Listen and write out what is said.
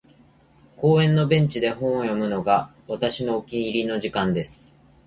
•公園のベンチで本を読むのが、私のお気に入りの時間です。